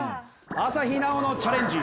朝日奈央のチャレンジ。